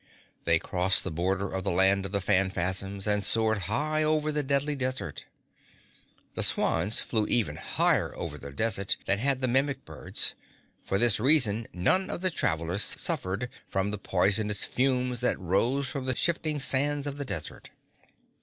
They crossed the border of the Land of the Phanfasms and soared high over the Deadly Desert. The swans flew even higher over the desert than had the Mimic birds. For this reason none of the travelers suffered from the poisonous fumes that rose from the shifting sands of the desert.